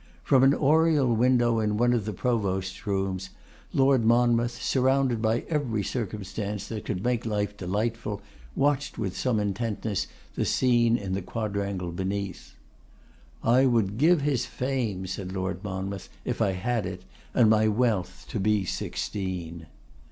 From an oriel window in one of the Provost's rooms, Lord Monmouth, surrounded by every circumstance that could make life delightful, watched with some intentness the scene in the quadrangle beneath. 'I would give his fame,' said Lord Monmouth, 'if I had it, and my wealth, to be sixteen.